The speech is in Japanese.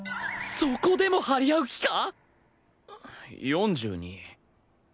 そこでも張り合う気か！？４２。